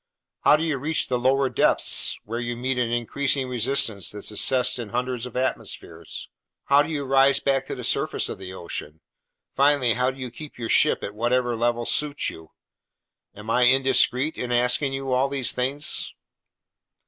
How do you reach the lower depths, where you meet an increasing resistance that's assessed in hundreds of atmospheres? How do you rise back to the surface of the ocean? Finally, how do you keep your ship at whatever level suits you? Am I indiscreet in asking you all these things?"